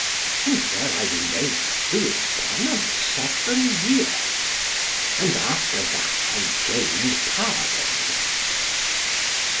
And there I remained doing penance seven years, and after that I gained pardon."